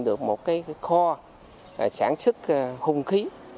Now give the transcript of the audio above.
được một kho sản xuất hung khí